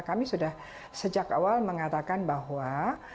kami sudah sejak awal mengatakan bahwa